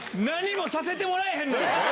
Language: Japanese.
何もさせてもらえへんのよ。